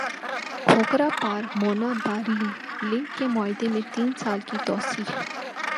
کھوکھرا پار Munabao rail link کے معاہدے میں تین سال کی توسیع